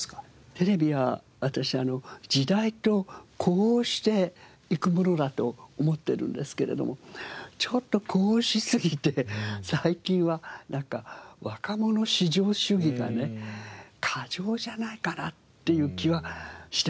テレビは私時代と呼応していくものだと思ってるんですけれどもちょっと呼応しすぎて最近はなんか若者至上主義がね過剰じゃないかなっていう気はしてますね。